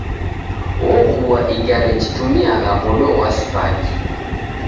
Ogua igare jitumiagha modo ghwa spaki.